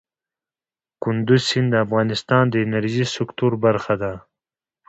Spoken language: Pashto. کندز سیند د افغانستان د انرژۍ سکتور برخه ده.